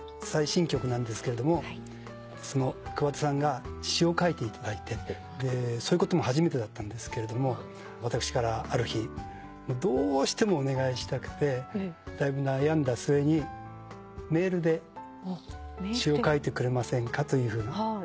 最新曲なんですけれども桑田さんが詞を書いていただいてそういうことも初めてだったんですけれども私からある日どうしてもお願いしたくてだいぶ悩んだ末にメールで詞を書いてくれませんか？と。